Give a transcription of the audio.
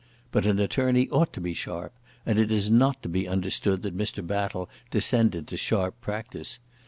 But an attorney ought to be sharp, and it is not to be understood that Mr. Battle descended to sharp practise.